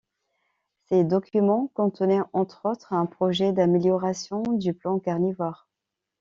Ces documents contenaient entre autres un projet d'amélioration du plan Carnivore.